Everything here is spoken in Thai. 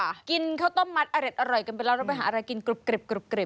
อะกินข้าวต้มมัดอะแรดอร่อยกันไปแล้วเราไปหากินกรึบกรึบกรึบกรึบ